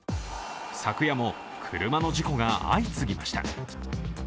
昨夜も車の事故が相次ぎました。